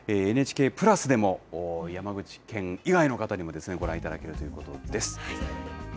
ＮＨＫプラスでも、山口県以外の方にもご覧いただけるということです。